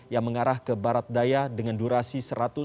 yang mengarah ke barat daya dengan durasi